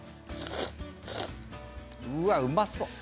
うわっうまそう！